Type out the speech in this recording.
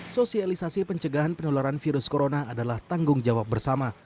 sosialisasi pencegahan penularan virus corona adalah tanggung jawab bersama